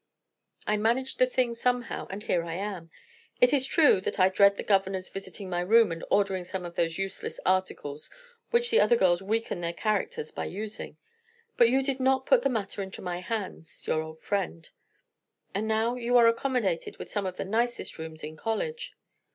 I managed the thing somehow, and here I am. It is true that I dread the governors visiting my room and ordering some of those useless articles which the other girls weaken their characters by using. But you did not put the matter into my hands, your old friend; and now you are accommodated with some of the nicest rooms in college."